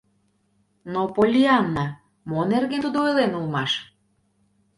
— Но, Поллианна, мо нерген тудо ойлен улмаш?